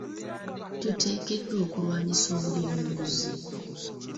Tuteekeddwa okulwanisa obuli bw'enguzi.